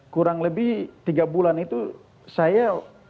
kurang lebih tiga bulan itu saya